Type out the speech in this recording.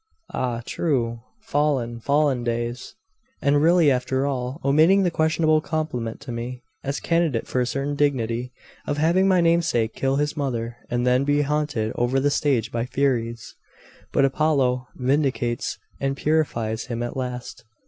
'Ah, true! fallen, fallen days!' 'And really, after all, omitting the questionable compliment to me, as candidate for a certain dignity, of having my namesake kill his mother, and then be hunted over the stage by furies ' 'But Apollo vindicates and purifies him at last.